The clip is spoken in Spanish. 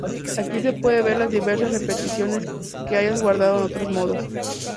Aquí se pueden ver las diversas repeticiones que hayas guardado en otros modos.